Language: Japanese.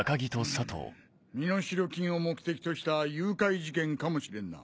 うん身代金を目的とした誘拐事件かもしれんな。